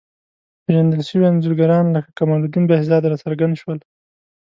پېژندل شوي انځورګران لکه کمال الدین بهزاد راڅرګند شول.